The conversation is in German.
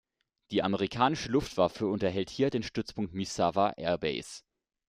Die amerikanische Luftwaffe unterhält hier den Stützpunkt Misawa Air Base.